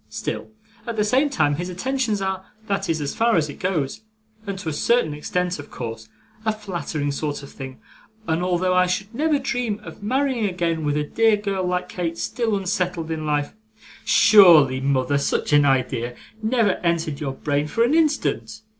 Still at the same time, his attentions are that is, as far as it goes, and to a certain extent of course a flattering sort of thing; and although I should never dream of marrying again with a dear girl like Kate still unsettled in life ' 'Surely, mother, such an idea never entered your brain for an instant?